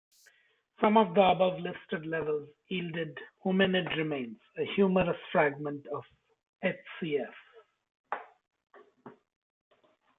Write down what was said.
Some of the above-listed levels yielded hominid remains: a humerus fragment of H. cf.